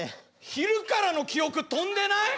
昼からの記憶飛んでない？